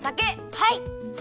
はい。